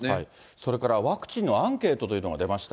それからワクチンのアンケートというのが出ました。